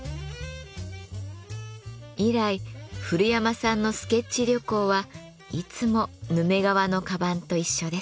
以来古山さんのスケッチ旅行はいつもヌメ革の鞄と一緒です。